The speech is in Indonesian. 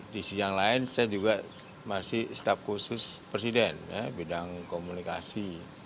di sisi yang lain saya juga masih staf khusus presiden bidang komunikasi